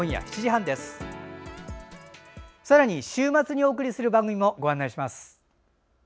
さらに、週末にお送りする番組をご案内します。